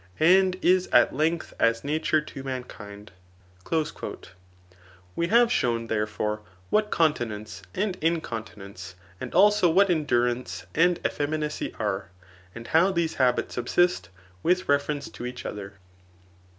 And is at length as nature to mankind. We have shown, therefore, what continence and inconti nence, and also what endurance and effeminacy are, and how these habits subsist with reference to each other.